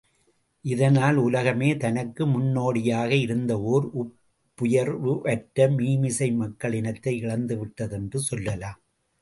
இதனால் உலகமே தனக்கு முன்னோடியாக இருந்த ஒர் ஒப்புயவர்வற்ற மீமிசை மக்களினத்தை இழந்துவிட்டது என்று சொல்லலாம்.